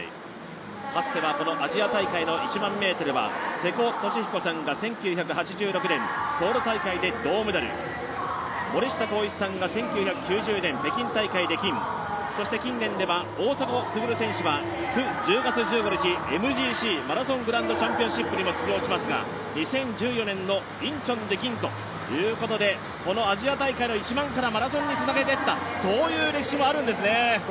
かつてはアジア大会の１００００ｍは瀬古利彦さんが１９８６年、ソウル大会で銅メダル、森下広一さんが１９９０年北京大会で金そして近年では大迫傑選手がＭＧＣ＝マラソングランドチャンピオンシップにも出場しますが２０１４年のインチョンで銀ということで、このアジア大会の１００００ｍからマラソンにつなげていったそういう歴史もあるんですね。